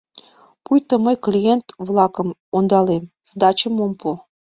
Пуйто мый клиент-влакым ондалем, сдачым ом пу.